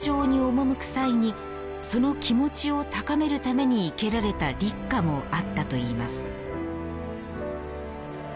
武士が戦場に赴く際にその気持ちを高めるために生けられた立花もあったといいます。